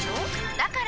だから！